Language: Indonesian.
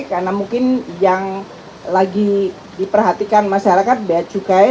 karena mungkin yang lagi diperhatikan masyarakat bad cukai